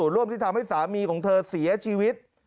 เป็นสามีของเธอเสียชีวิต